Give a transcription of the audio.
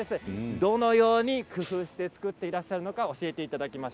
どのように工夫して作っていらっしゃるのか教えていただきます。